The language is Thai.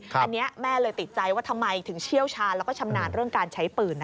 อันนี้แม่เลยติดใจว่าทำไมถึงเชี่ยวชาญแล้วก็ชำนาญเรื่องการใช้ปืน